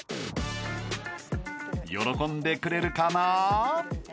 ［喜んでくれるかな？］